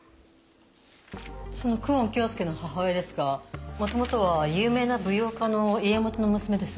その久遠京介の母親ですがもともとは有名な舞踊家の家元の娘です。